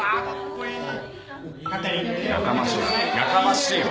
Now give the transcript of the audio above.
やかましいわ。